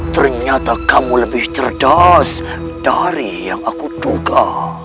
ternyata kamu lebih cerdas dari yang aku buka